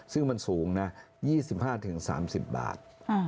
ซึ่งมันสูงนะ๒๕๓๐บาท